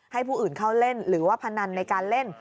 ให้ผู้อื่นเข้าเล่นหรือว่าพนันในการเล่น